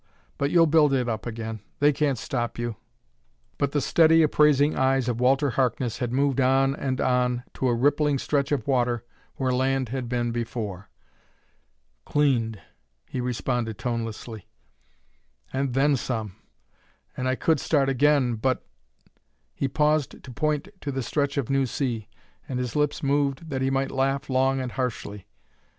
But you'll build it up again; they can't stop you " But the steady, appraising eyes of Walter Harkness had moved on and on to a rippling stretch of water where land had been before. "Cleaned," he responded tonelessly; "and then some! And I could start again, but " He paused to point to the stretch of new sea, and his lips moved that he might laugh long and harshly.